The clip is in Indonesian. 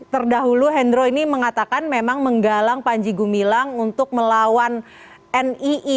terdahulu hendro ini mengatakan memang menggalang panji gumilang untuk melawan nii